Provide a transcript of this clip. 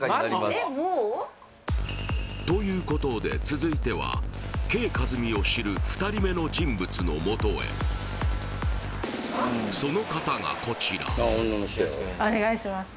えっもう？ということで続いてはＫ．カズミを知る２人目の人物のもとへその方がこちらよろしくお願いします